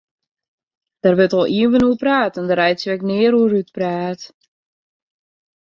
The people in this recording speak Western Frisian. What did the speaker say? Dêr wurdt al iuwen oer praat en dêr reitsje we nea oer útpraat.